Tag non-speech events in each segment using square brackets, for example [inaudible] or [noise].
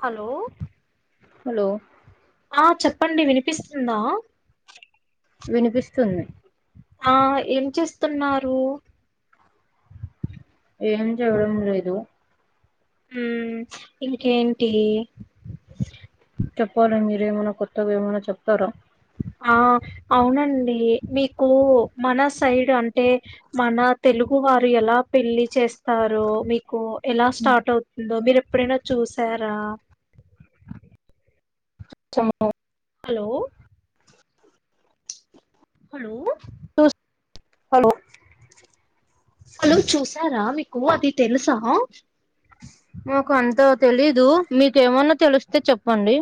Hello hello ఆ చెప్పండి వినిపిస్తుందా వినిపిస్తుంది ఆ ఏం చేస్తున్నారు ఏం చేయడం లేదు ఉ ఇంకేంటి చెప్పాలి మీరేమన్నా కొత్తగా ఏమైన్నా చెప్తారా ఆ అవునండి మీకు మన సైడ్ అంటే మన తెలుగు వారు ఎలా పెళ్లి చేస్తారో మీక్ కో ఎలా స్టార్ట్ అవ్ దొ మీరు ఎప్పుడైనా చూసారా [unintelligible] హలో హలో [unintelligible] హలో హలో చూస్ సరా మీకు అది తెలుసా మాకు అంత తెలీదు మీకేమన్నా తెలిస్తే చెప్పండి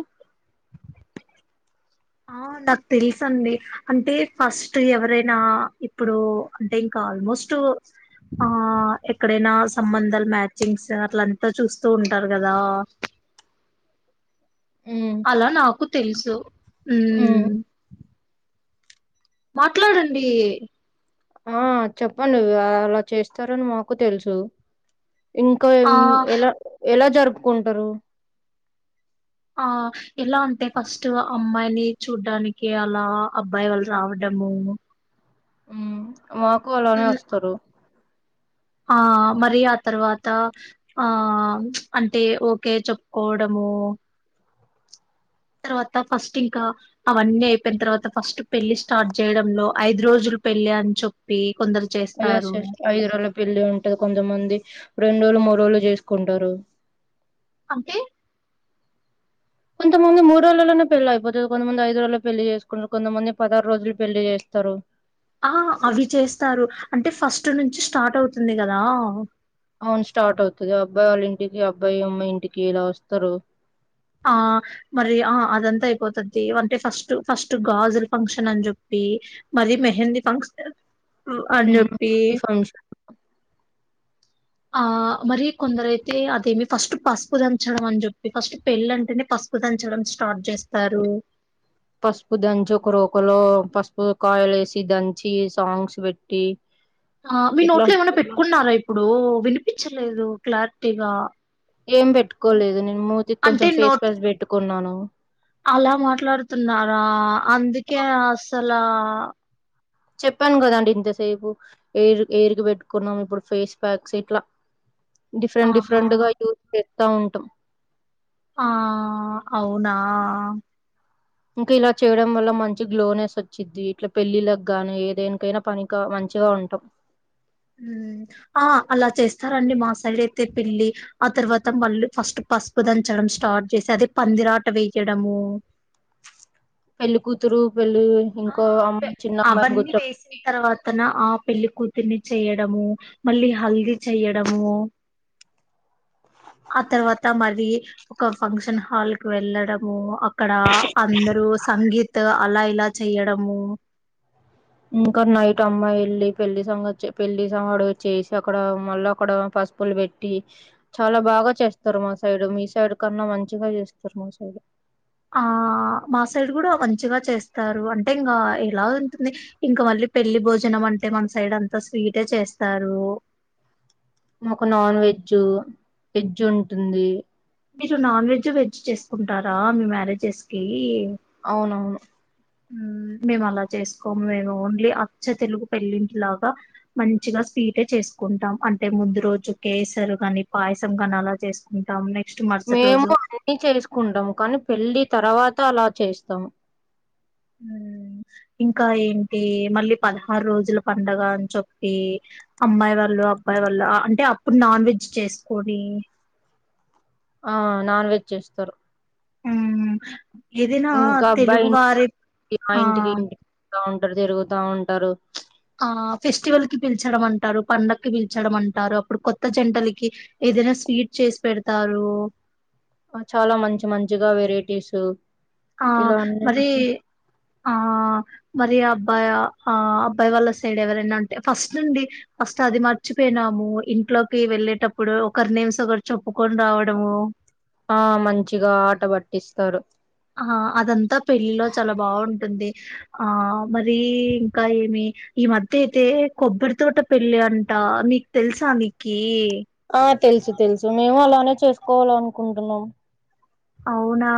ఆ నాకు తెలుస అండి అంటే ఫస్ట్ ఎవరైనా ఇప్పుడు అంటే ఇంకా ఆల్మోస్ట్ ఆ ఎక్కడైనా సంబంధాలు మ్యాచింగ్స్ అట్ల అంతా చూస్తూ ఉంటారు కదా ఉమ్ అలా నాకు తెలుసు ఉమ్ మాట్లాడండి ఆ చెప్పండి అలా చేస్తారని మాకు తెలుసు ఇంకా ఆ ఎన్ ఎల ఎల జరుపుకుంటరు ఆహ్ ఎలా అంటే ఫస్ట్ అమ్మాయిని చూడ్డానికి అలా అబ్బాయి వాళ్ళు రావడము ఉమ్ మాకు అలానే ఉమ్, వస్తారు ఆ మరి ఆ తర్వాత ఆ అంటే ఓకే చెప్పుకోవడము తర్వాత ఫస్ట్ ఇంకా అవన్నీ అయిపోయిన తర్వాత ఫస్ట్ పెళ్లి స్టార్ట్ చేయడంలో ఐదు రోజులు పెళ్లి అని చెప్పి కొందరు ఎస్ చేస్తారు ఎస్ ఐదు రోజుల పెళ్లి అంటే కొంతమంది రెండు రోజులు మూడు రోజులు చేసుకుంటారు అంటే కొంతమంది మూడు రోజులలోనే పెళ్లి అయిపోతుంది కొంతమంది ఐదు రోజుల్లో పెళ్లి చేసుకుంటారు కొంతమంది పదహారు రోజులు పెళ్లి చేస్తారు ఆ అవి చేస్తారు అంటే ఫస్ట్ నుంచి స్టార్ట్ అవుతుంది కదా అవున్ స్టార్ట్ అవుతుంది అబ్బాయి వాళ్ళ ఇంటికి అబ్బాయి అమ్మాయి ఇంటికి ఇలా వస్తారు ఆ మరి ఆ అదంతా అయిపోతది అంటే ఫస్ట్ ఫస్ట్ గాజులు ఫంక్షన్ అని చెప్పి మరి మెహందీ ఫంక్షన్ ఉం అని హ్మ్. చెప్పి ఈ ఫంక్షన్ ఆ మరి కొందరు అయితే అదేమి ఫస్ట్ పసుపు దంచడం అని చెప్పి ఫస్ట్ పెళ్ళి అంటేనే పసుపు దంచడం స్టార్ట్ చేస్తారు పసుపు దంచి ఒక రోకలో పసుపు కాయలు వేసి దంచి సాంగ్స్ పెట్టి ఆ మీ ఇట్లా నోట్లో ఏమైన్నా పెట్టుకున్నార ఇప్పుడు వినిపించలేదు క్లారిటీగా ఏం పెట్టుకోలేదు నేను మూతికి అంటే కొంచెం ఫేస్ నోట్ ప్యాక్ పెట్టుకున్నాను అలా అ లా చెప్పాను కదండి ఇంతసేపు హెయిరుకిబెట్టుకున్నాం ఇప్పుడు ఫేస్ ప్యాక్స్ ఇట్లా డిఫరెంట్ డిఫరెంట్ ఆహా గా ఊజ్ తా ఉంటాం ఆ అవునా ఇంకా ఇలా చేయడం వల్ల మంచి గ్లోనెస్ వచ్చిద్ది ఇట్లా పెళ్ళిళ్లకు గానీ ఏదేనికైనా పనికా మంచిగా ఉంటాం ఉమ్ ఆ అలా చేస్తారండి మా సైడ్ అయితే పెళ్లి ఆ తర్వాత మళ్ళీ ఫస్ట్ పసుపు దంచడం స్టార్ట్ చేసి అదే పందిరాట వేయడము పెళ్ళి కూతురు వెళ్ళి ఆ ఇంకోగ పె- అమ్మాయిని చిన్న అమ్మాయిని అవన్నీ కూర్చోబెట్టి తిరిని చెయడము మళ్ళీ హల్దీ చెయ్యడము ఆ తర్వాత మరి ఒక ఫంక్షన్ హాల్ కి వెళ్ళడము అక్ క్కడ అందరు సంగీత్ అలా ఇలా చెయ్యడము ఇంకా నైట్ అమ్మాయి వెళ్ళల పెళ్లి సంఘ పెళ్లి సమాడుగ చేసి అక్కడ మళ్ళీ అక్కడ పసుపులు పెట్టి చాలా బాగా చేస్తారు మా సైడ్ మీ సైడ్ కన్నా మంచిగా చేస్తారు మా సైడ్ ఆ మా సైడ్ కూడా మంచిగా చేస్తారు అంటే ఇంగ ఎలా ఉంటుంది ఇంకా మళ్ళీ పెళ్లిి భోజనం అంటే మన సైడ్ అంతా స్వీటే చేస్తారు మాకు నాన్ వెజ్ వెజ్జ్ ఉంటుంది మీరు నాన్ వెజ్ వెజ్ చేసుకుంటారా మీ మ్యారేజెస్ కి అవునవును ఉమ్ మేము అలా చేసుకోము మేము ఓన్లీ అచ్చ తెలుగు పెళ్ళింటి లాగా మంచిగా స్వీటే చేసుకుంటాం అంటే ముందు రోజు కేసరు కాని పాయసం కాని అలా చేసుకుంటాం నక్ మేము అన్ని చేసుకుంటాము కానీ పెళ్ళి తర్వాత అలా చేస్తాము ఇంకా ఏంటి మళ్ళీ పదహారు రోజుల పండగ అని చెప్పి అమ్మాయి వాళ్ళు అబ్బాయి వాళ్ల అంటే అప్పుడు నాన్ వెజ్ చేసుకొని ఆ నాన్ వెజ్ చేస్తారు హ్మ్ ఏదైనా ఇంకా తెలుగు అబ్బాయి వారే ఆ త ఉంటారు తిరుగుతా ఉంటారు ఆ ఫెస్టివల్ కి పిలిచడం అంటారు పండక్కిి పిలిచడం అంటారు అప్పుడు కొత్త జంటలకి ఏదైనా స్వీట్ చేసి పెడతారు చాలా మంచి మంచిగా వెరైటీసు ఆ మరి ఆ మరి అబ్బాయి ఆ అబ్బాయి వాళ్ళ సైడ్ ఎవరైనా అంటే ఫస్ట్ నుండి ఫస్ట్ అది మర్చిపోయినాము ఇంట్లోకి వెళ్ళేటప్పుడు ఒకరి నేమ్స్ ఒకరు చెప్ ఆ మంచిగా ఆటబట్ ఇస్తారు ఆ అదంతా పెళ్లిలో చాలా బాగుంటుంది ఆ మరి ఇంకా ఏమి ఈ మధ్య అయితే కొబ్బరి తోట పెళ్లి అంట మీకు తెలుసా నిక్కి ఆ తెలుసు తెలుసు మేము అలానే చేసుకోవాల అనుకుంటున్నాం అవునా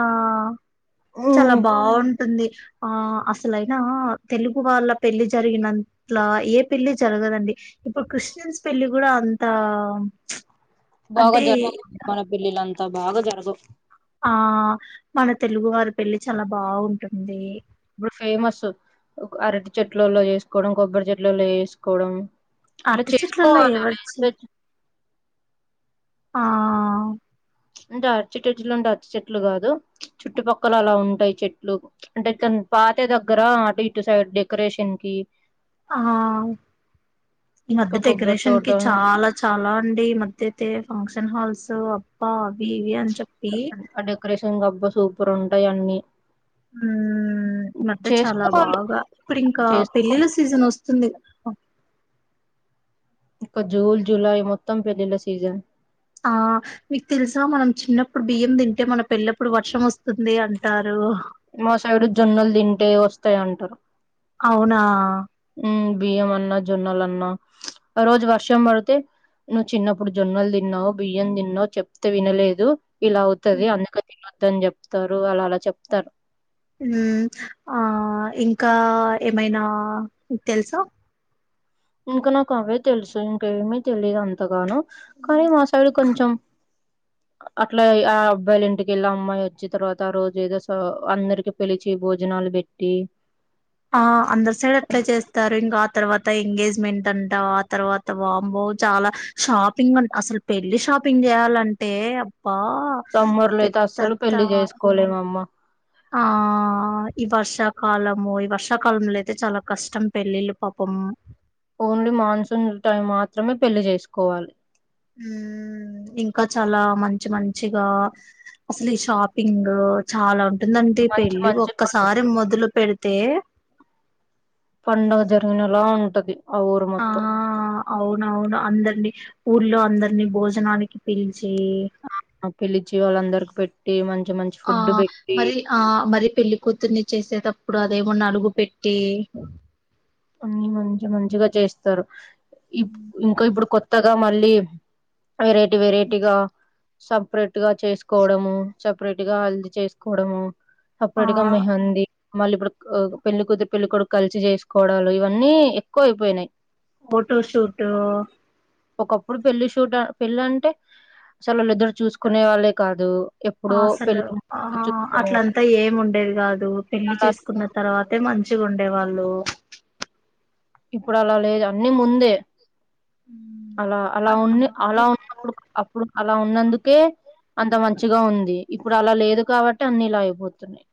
చాలా బాగుంట్ టుందిఆ అసలయినా తెలుగు వాళ్ళ పెళ్లి జరిగినట్లా ఏ పెళ్లి జరగదండి ఇప్పుడు క్రిస్టియన్స్ పెళ్లి కూడా అంత బాగా అంటే జర్ మన పెల్లి లాం త బాగా జరగవు ఆ మన తెలుగు వారి పెళ్లి చాలా బాగుంటుంది ఇప్పుడు ఫేమస్ అరటి చెట్లల్లో చేసుకోవడం కొబ్బరి చెట్లల్లో చేసుకోవడం అరటి చెట్లలో ఎవరు చె చే- ఆ అంటే అర్చిటజ లోంటే అచ్చి చెట్లు కాదు చుట్టుపక్కల అలా ఉంటాయి చెట్లు అంటే త పాతే దగ్గర అటు ఇటు సైడ్ డెకరేషన్ కి ఆ ఈ మధ్య ఇంకా కొబ్బరి డెకరేషన్ తోట కి చాలా చాలా అండి ఈ మధ్య అయితే ఫంక్షన్ హాల్స్ తొ అప్పా అవి ఇవి అంత చెప్పి గబ్బా సూపర్ ఉంటాయి అన్నీ ఉ మధ్య చాలా చేసుకోవాలి బాగా ఇప్పుడు ఇంకా చేసుకో పెళ్ళిళ్ళ సీజన్ వస్తు తుంది ఇంకా జూన్ జులై మొత్తం పెళ్ళిళ్ళ సీజన్ ఆ మీకు తెలుసా మనం చిన్నప్పుడు బియ్యం తింటే మన పెల్లప్పుడు వర్షం వస్తుంది అంటారు మా సైడు జొన్నలు తింటే వస్తాయి అంటారు అవునా మ్మ్ బియ్యం అన్నా జొన్నలున్నా ఆ రోజు వర్షం పడితే నువ్వు చిన్నప్పుడు జొన్నలు తిన్నావు బియ్యం తిన్నావు చెప్తే వినలేదు ఇలా అవుతుది మ్మ్ అందుకని తిన్నోదు అని చెప్తారు అలా అలా చెప్తారు మ్మ్ ఆ ఇంకా ఏమైనా తెలుసా ఇంకా నాకు అవే తెలుసు ఇంకేమిీ తెలిదు అంతగాను కానీ మసయిడు కొంచెం అట్లా ఆ అబ్బాయిల ఇంటికెళ్ళ అమ్మాయి వచ్చిన తర్వాత ఆ రోజు ఏదో స అందరికి పిలిచి భోజనాలు పెట్టి ఆ అందరు సైడ్ అట్లే చేస్తారు ఇంకా ఆ తర్వాత ఎంగేజ్మెంట్ అంటా ఆ తర్వాత వామ్మో చాలా షాపింగ్ అసలు పెళ్లి షాపింగ్ చేయాలంటే తమ్ముర్లు అయితే అసలు పెద్దత్త పెళ్లి చేసుకోలేమమ్మ ఆ ఈ వర్షాకాలము ఈ వర్షాకాలంలో అయితే చాలా కష్టం పెళ్ళిళ్ళు పాపము ఓన్లీ మాన్సూన్ టైం మాత్రమే పెళ్లి చేసుకోవాలి ఇంకా చాలా మంచి మంచిగా అసలు ఈ షాపింగ్ చాలా ఉంటు ఉంటుందండీ ఈ మంచి పెళ్లీ మంచి ఒక్కసారి మొదలు పెడితే తే పండుగ జరిగినలా ఉంటది ఆ ఊరు మొత్తం అవును అవును అందరిని ఊర్లో అందరినీ భోజనానికి పిలి చే ఆ పిలిచి వాళ్ళందరికి పెట్టి మంచి మంచి ఆ ఫుడ్ పెట్టి మరి ఆ మరి పెళ్లికతుర్ని చేసే త ఇప్పుడు అదేమో నలుగు పెట్టి అన్ని మంచి మంచిగా చేస్తారు ఇ ఇంకా ఇప్పుడు కొత్త కొత్తగా మళ్ళీ వెరైటీ వెరైటీగా సపరెట్ గా చేసుకోవడము సపరేట్ గా హల్దీ చేసుకోవడము ఆ అప్పుడిక మెహందీ మళ్ళీ ఇప్పుడు పెళ్లి కూతురు పెళ్లి కొడుకు కలిసి చేసుకొ కోడలు ఇవన్నీ ఎక్కువ అయిపోయినాయి ఫోటోషూట్ ఒకప్పుడు పెళ్ళి షూట్ పెళ్ళి అంటే అసలు వాళ్ళిద్దరు చూసుకునే వాళ్ళే కాదు ఎప్పుడో అసలు పెళ్ళిలో ఆ చూసుకునే వాళ్లు అట్లంతా ఏమి ఉండేది కాదు పెళ్లి చేసుకున్న తర్వాత అయితే మంచిగా ఉండే వాళ్ళు ఇప్పుడు అలా లేదు అన్ని ముందే అలా అ అలా ఉన్న అలా ఉన్నప్పుడు అప్పుడు అలా ఉన్నందుకే అంత మంచిగా ఉంది ఇప్పుడు అలా లేదు కాబట్టి అన్ని ఇలా అయిపోతున్నాయి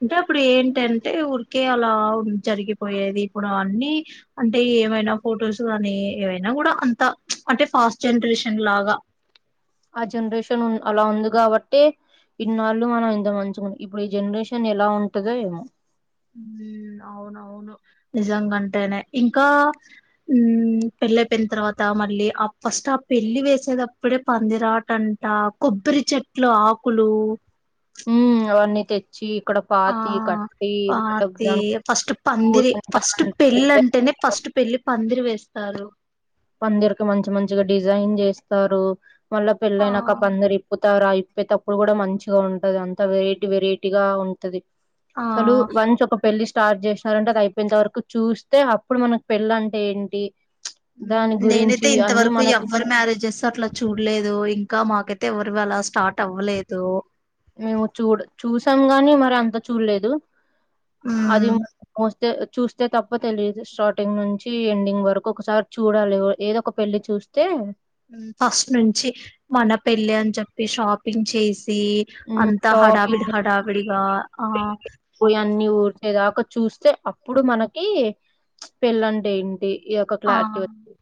అంటే అప్పుడు ఏంటంటే ఊరు కే అలా జరిగిపోయేది ఇప్పుడు అ అన్నీ అంటే ఏమైనా ఫొటోస్ కానీ ఏవైనా కూడా అంతా అంటే ఫాస్ట్ జనరేషన్ లాగా ఆ జనరేషన్ అలా ఉంది కాబట్టి ఇన్నాళ్ళు మనం ఇంత మంచుకు ఇప్పుడు ఈ జనరేషన్ ఎలా ఉంటందో ఏమో అవునవును నిజంగాంటేనే ఇంకా ఉ పెళ్ళయిపోయిన తర్వాత మళ్ళీ ఆ ఫస్ట్ ఆ పెళ్లి వేసేటప్పుడే పందిరాటంట కొబ్బరి చెట్లు ఆకులు హమ్ అవన్నీ తెచ్చి ఇక్కడ ఆ పాతి కట్టి మళ్ళ అతి దానికి ఫస్ట్ పందిరి పూలంట ఫస్ట్ పెళ్ళి అంటేనే ఫస్ట్ పెళ్ళి పందిరి వేస్తారు పందిరిక్కి మంచి మంచిగా డిజైన్ చేస్తారు మళ్ళ ఆ పెళ్ళైన ఒక పందిరి ఇప్పుతారు ఇప్పే తప్పుడు కూడా మంచిగా ఉంటది అంతా వెరైటీ వెరైటీగా ఉంటది ఆ అసలు వన్స్ ఒక పెళ్లి స్టార్ట్ చేసినారంటే అది అయిపోయింత వరకు చూస్తే అప్పుడు మనకి పెళ్ళ అంటే ఏంటి దాని నేనైతే గురించి అన్ని ఇంతవరకు మనకు ఎవ్వరు మ్యారేజెస్ అట్లా చూడలేదు ఇంకా మాకై ఎవరివి అలా స్టార్ట్ అవ్వలేదు మేము చూ చూసాం గాని మరి అంత చూడలేదు అది ఉమ్ చూస్తే తప్ప తెలియదు స్టార్టింగ్ నుంచి ఎండింగ్ వరకు ఒకసారి చూడాలి ఏదో ఒక పెళ్లి చూస్తే ఫస్ట్ నుంచి మన పెళ్లి అని చెప్పి షాపింగ్ చేసి మ్ అంతా హడావిడి షాపింగ్ హడావిడిగా ఆ దాక చూస్తే అప్పుడు మనకి పెళ్ళంటే ఏంటి ఈ యొక్క ఆ క్లారిటీ వచ్చి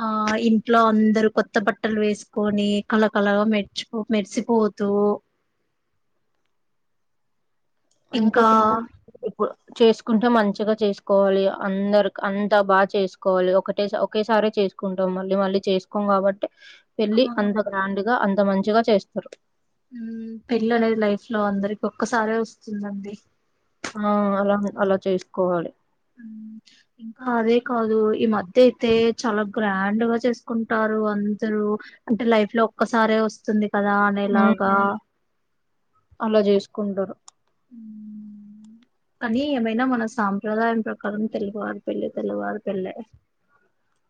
ఆ ఇంట్లో అందరూ కొత్త బట్టలు వేసుకొని కలకలగా మెర్చిపో మెరిసిపోతూ అందుకే ఇంకా చేసుకుంటే మంచిగ చేసుకోవాలి అందరి అంతా బాగా చేసుకోవాలి ఒకటే ఒకేసారి చేసుకుంటాం మళ్ళీ మళ్ళీ చేసుకోం కాబట్టి ఆ వెళ్ళి అంత గ్రాండ్గా అంత అంత మంచిగ చేస్తరు పెళ్లి అనేది లైఫ్ లో అందరికి ఒక్కసారే వస్తుందండి ఆ అలా అలా చేసుకోవాలి ఇంకా అదే కాదు ఈ మధ్య అయితే చాలా గ్రాండ్గా చేసుకుంటారు అందరూ అంటే లైఫ్ లో ఒక్కసారే వస్తుంది తప్పదా అ నే హ్మ్. లాగా అలా చేసుకుంటారు కానీ ఏమైనా మన సాంప్రదాయం ప్రకారం తెలుగువారు పెళ్ళి తెలుగువారు పెళ్లే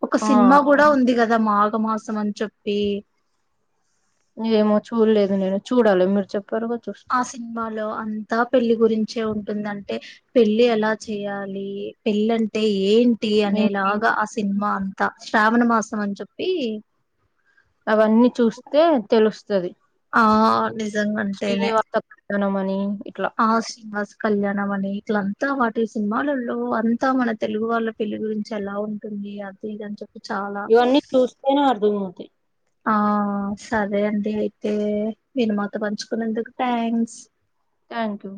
ఒక ఆ సినిమా కూడా ఉంది కదా మా ఒక మాసం అని చెప్పి ఏమో చూడలేదు నేను చూడాలి మీరు చె ఆ సినిమాలో అంతా పెళ్లి గురించి వచ్చే ఉంటుందంటే పెళ్లి ఎలా చేయాలి పెళ్ళి అంటే ఏంటి టీ నేను అనేలాగా ఆ సినిమా అంతా శ్రావణ మాసం అని చెప్పి అవన్నీ చూస్తే తెలుస్త సది ఆ ని ఇంటనే తనమణి ఆ శ కళ్యాణం అని ఇట్లంతా వాటి సినిమాలలో అంతా మన తెలుగు వాళ్ళ పెళ్లి గురించి ఎలా ఉంటుంది అది ఇని చెప్ ఇవన్నీ చూస్తేనే అర్థమవుతాయి ఆ సరే అండి అయితే వినుమాత పంచుకునేందుకు థ్యాంక్స్ థ్యాంక్ యూ